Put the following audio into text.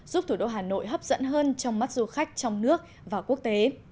giúp thủ đô hà nội hấp dẫn hơn trong mắt du khách trong nước và quốc tế